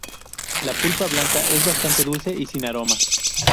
La pulpa blanca es bastante dulce y sin aroma.